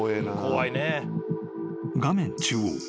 ［画面中央。